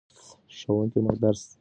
ښوونکی مخکې درس تشریح کړی و.